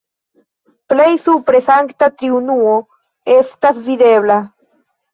Plej supre Sankta Triunuo estas videbla.